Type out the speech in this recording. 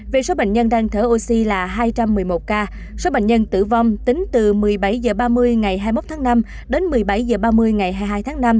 về số bệnh nhân đang thở oxy là hai trăm một mươi một ca số bệnh nhân tử vong tính từ một mươi bảy h ba mươi ngày hai mươi một tháng năm đến một mươi bảy h ba mươi ngày hai mươi hai tháng năm